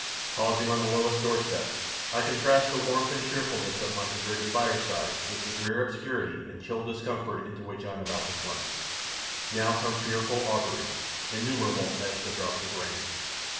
Pausing on the lowest doorstep, I contrast the warmth and cheerfulness of my deserted fireside with the drear obscurity and chill discomfort into which I am about to plunge. Now come fearful auguries, innumerable as the drops of rain.